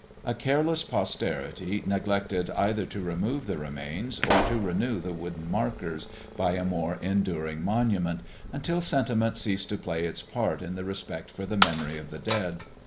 A careless posterity neglected either to remove the remains or to renew the wooden marker by a more enduring monument, until sentiment ceased to play its part in the respect for the memory of the dead.